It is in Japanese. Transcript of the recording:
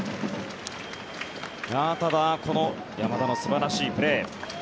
ただこの山田の素晴らしいプレー。